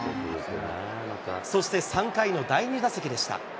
そして３回の第２打席でした。